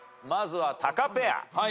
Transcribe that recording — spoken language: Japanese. まずはタカペア。